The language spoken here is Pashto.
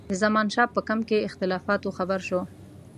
د زمانشاه په کمپ کې اختلافاتو خبر شو.